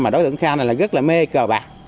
mà đối tượng khao này là rất là mê cờ bạc